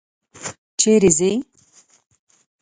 چېرې ځې؟